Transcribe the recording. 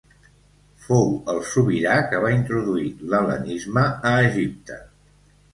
Fou el sobirà que va introduir l'hel·lenisme a Egipte.